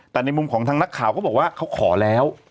แต่ในมุมของทางนักข่าวเขาบอกว่าเขาขอแล้ว